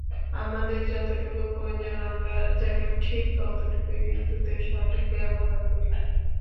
আমাদের যতটুকু প্রয়োজন আমরা যেন ঠিক ততটুকুই বিদ্যুতের সঠিক ব্যবহার করি।